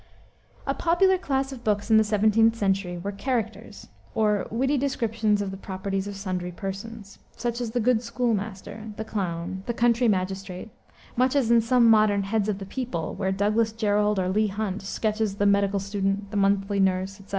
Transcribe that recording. A popular class of books in the 17th century were "characters" or "witty descriptions of the properties of sundry persons," such as the Good Schoolmaster, the Clown, the Country Magistrate; much as in some modern Heads of the People where Douglas Jerrold or Leigh Hunt sketches the Medical Student, the Monthly Nurse, etc.